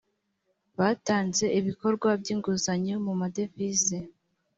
batanze ibikorwa by inguzanyo mu madevize.